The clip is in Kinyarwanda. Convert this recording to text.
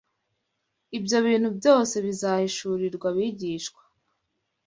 Ibyo bintu byose bizahishurirwa abigishwa